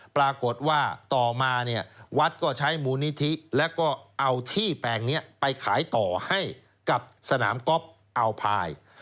ปรากฏว่าต่อมาเนี่ยวัดก็ใช้มูลนิธิแล้วก็เอาที่แปลงนี้ไปขายต่อให้กับสนามก๊อฟอัลพาย